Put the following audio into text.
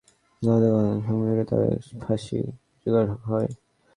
করাচি এবং হায়দ্রাবাদের কারাগারে গতকাল বৃহস্পতিবার তাদের ফাঁসি কার্যকর করা হয়।